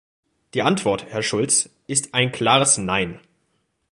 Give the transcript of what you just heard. Die Antwort, Herr Schulz, ist ein klares Nein.